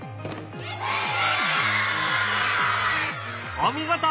お見事！